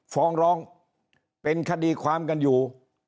ฟ้องร้องเป็นคดีความกันอยู่